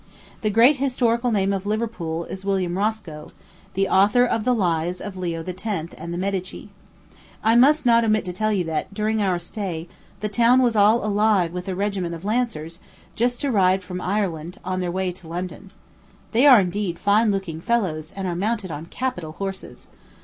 The great historical name of Liverpool is William Roscoe, the author of the Lives of Leo X. and the Medici. I must not omit to tell you that, during our stay, the town was all alive with a regiment of lancers, just arrived from Ireland, on their way to London. They are indeed fine looking fellows, and are mounted on capital horses.